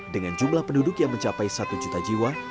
dengan jumlah penduduk yang mencapai satu juta jiwa